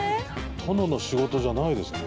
殿の仕事じゃないですね。